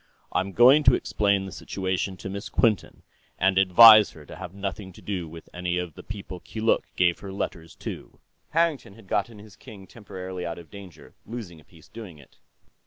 I'm going to explain the situation to Miss Quinton, and advise her to have nothing to do with any of the people Keeluk gave her letters to." Harrington had gotten his king temporarily out of danger, losing a piece doing it.